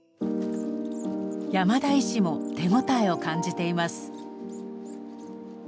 山田医師も手応えを感じています。